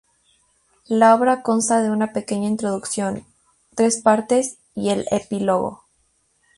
La obra consta de una pequeña introducción, tres partes y el epílogo.